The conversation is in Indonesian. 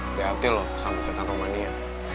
hati hati lo sama setan romanya